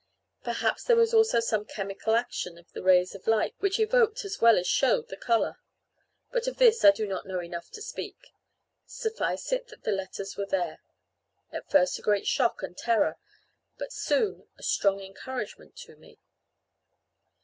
Perhaps there was also some chemical action of the rays of light which evoked as well as showed the colour; but of this I do not know enough to speak. Suffice it that the letters were there, at first a great shock and terror, but soon a strong encouragement to me.